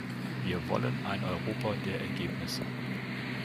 Wir wollen ein Europa der Ergebnisse.